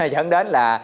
dẫn đến là